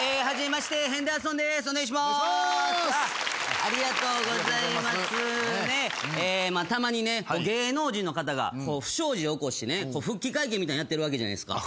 まあたまにね芸能人の方が不祥事起こしてね復帰会見みたいなのやってるわけじゃないですか。